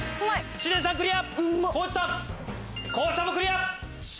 知念さんクリア！